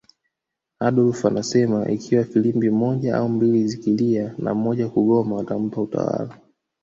Adolf anasema ikiwa filimbi moja au mbili zikilia na moja kugoma watampa utawala